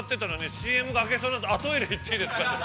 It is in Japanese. ＣＭが明けそうになって、トイレに行っていいですかって。